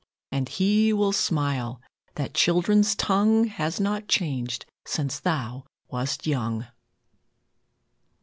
And He will smile, that children's tongue Has not changed since Thou wast young!